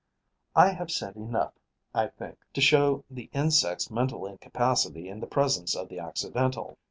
I have said enough, I think, to show the insect's mental incapacity in the presence of the accidental.